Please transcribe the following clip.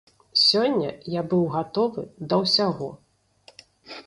Сёння я быў гатовы да ўсяго.